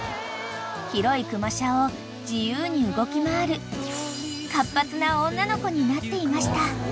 ［広いクマ舎を自由に動き回る活発な女の子になっていました］